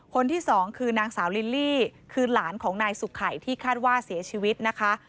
คนที่สองคือนางสาวลิลลี่คือหลานของนายสุขัยที่คาดว่าเสียชีวิตนะคะ